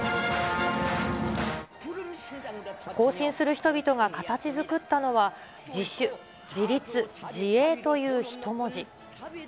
行進する人々が形づくったのは、自主、自立、自衛という人文字。